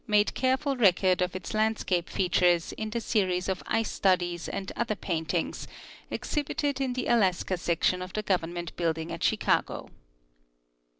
made careful record of its landscape features in the series of ice studies and other paintings exhibited in the Alaska section of the Government building at Chicago.